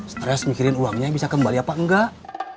stres mikirin uangnya bisa kembali apa enggak